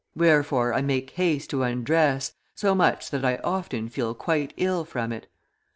Wherefore I make haste to undress, so much so that I often feel quite ill from it.